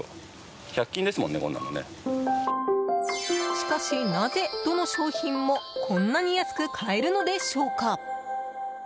しかしなぜ、どの商品もこんなに安く買えるのでしょうか。